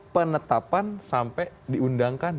penetapan sampai diundangkan